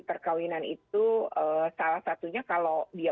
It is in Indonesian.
perkawinan itu salah satunya kalau dia